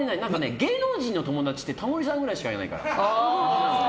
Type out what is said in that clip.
芸能人の友達ってタモリさんくらいしかいないから。